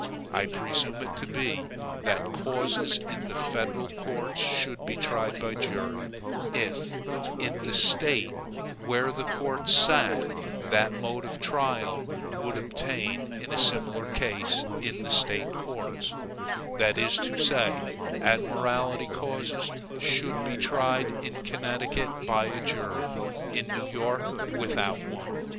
I presume it to be, that causes in the federal courts should be tried by jury, if, in the State where the courts sat, that mode of trial would obtain in a similar case in the State courts; that is to say, admiralty causes should be tried in Connecticut by a jury, in New York without one.